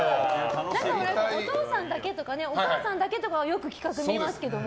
お父さんだけとかお母さんだけとかはよく企画で見ますけども。